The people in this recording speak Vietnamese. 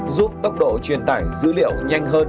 giúp tốc độ truyền tải dữ liệu nhanh hơn